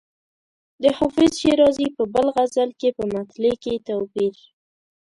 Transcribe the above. د حافظ شیرازي په بل غزل کې په مطلع کې توپیر.